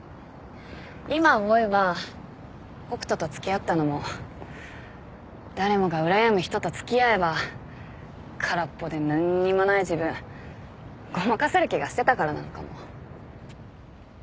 今思えば北斗と付き合ったのも誰もがうらやむ人と付き合えば空っぽで何にもない自分ごまかせる気がしてたからなのかも。